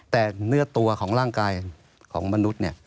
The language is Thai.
แต่เนื้อตัวของร่างกายของมนุษย์